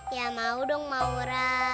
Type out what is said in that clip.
ya mau dong maura